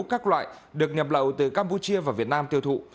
các loại được nhập lậu từ campuchia vào việt nam tiêu thụ